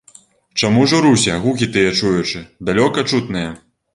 Чаму журуся, гукі тыя чуючы, далёка чутныя?